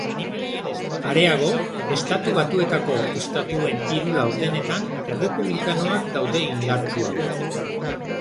Areago, estatu batuetako estatuen hiru laurdenetan, errepublikanoak daude indartsuago.